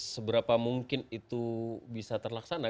seberapa mungkin itu bisa terlaksana